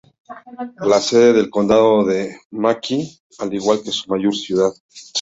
La sede del condado es McKee, al igual que su mayor ciudad.